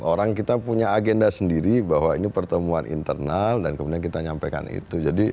orang kita punya agenda sendiri bahwa ini pertemuan internal dan kemudian kita nyampaikan itu